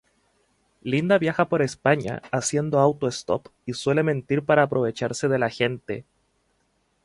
Linda viaja por España haciendo autostop y suele mentir para aprovecharse de la gente.